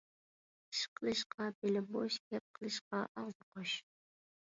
ئىش قىلىشقا بېلى بوش، گەپ قىلىشقا ئاغزى قوش.